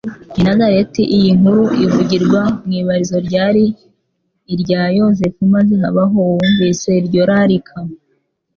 I Nazareti iyi nkuru ivugirwa mw'ibarizo ryari irya Yozefu, maze habaho Uwumvise iryo rarika.